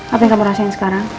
apa yang kamu rasain sekarang